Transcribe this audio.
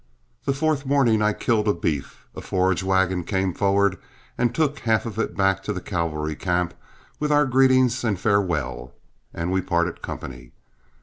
The fourth morning I killed a beef, a forage wagon came forward and took half of it back to the cavalry camp with our greetings and farewell, and we parted company.